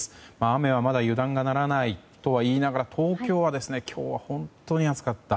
雨はまだ油断がならないと言いながら東京は今日は本当に暑かった。